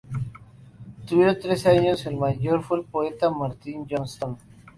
Tuvieron tres niños, el mayor fue el poeta Martin Johnston.